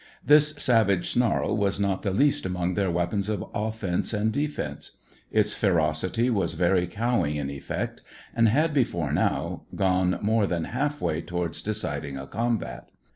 This savage snarl was not the least among their weapons of offence and defence. Its ferocity was very cowing in effect, and had before now gone more than half way towards deciding a combat.